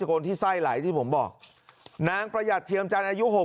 คนที่ไส้ไหลที่ผมบอกนางประหยัดเทียมจันทร์อายุหก